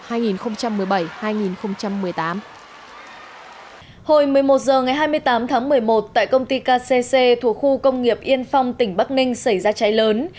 hồi một mươi một h ngày hai mươi tám tháng một mươi một tại công ty kcc thuộc khu công nghiệp yên phong tỉnh bắc ninh xảy ra cháy lớn